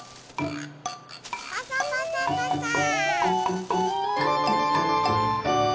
パサパサパサー。